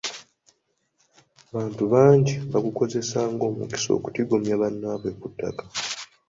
Abantu bangi baagukozesa ng'omukisa okutigomya bannaabwe ku ttaka.